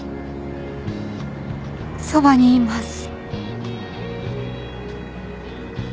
そばにいます。